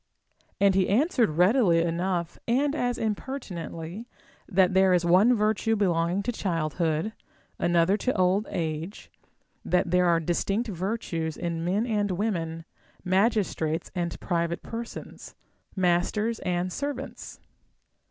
And he answered readily enough, and as impertinently, that there is one virtue belonging to childhood, another to old age ; that there are distinct virtues in men and women, magistrates and private persons, masters and servants.